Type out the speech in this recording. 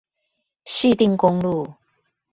汐碇公路